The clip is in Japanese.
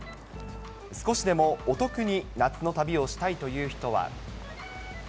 少しでもお得に夏の旅をしたいという人は。